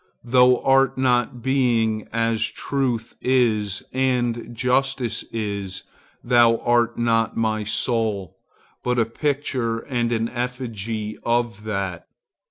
Thou art not Being, as Truth is, as Justice is,—thou art not my soul, but a picture and effigy of that.